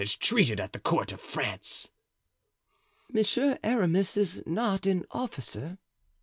is treated at the court of France." "Monsieur Aramis is not an officer?"